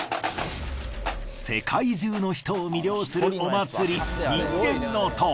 世界中の人を魅了するお祭り人間の塔。